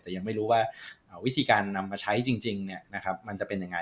แต่ยังไม่รู้ว่าวิธีการนำมาใช้จริงมันจะเป็นยังไง